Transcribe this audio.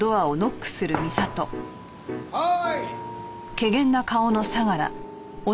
はーい。